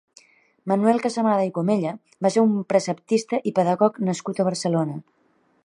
Manuel Casamada i Comella va ser un preceptista i pedagog nascut a Barcelona.